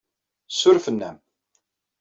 Ssurfen-am.